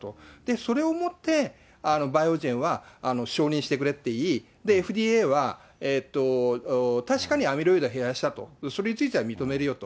それをもってバイオジェンは承認してくれって言い、ＦＤＡは確かにアミロイド減らしたと、それについては認めるよと。